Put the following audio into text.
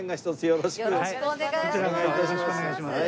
よろしくお願いします。